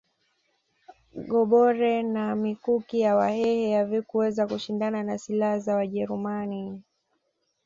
Gobore na mikuki ya wahehe havikuweza kushindana na silaha za wajerumani